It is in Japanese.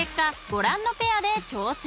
ご覧のペアで挑戦］